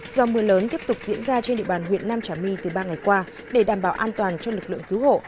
do mưa lớn tiếp tục diễn ra trên địa bàn huyện nam trà my từ ba ngày qua để đảm bảo an toàn cho lực lượng cứu hộ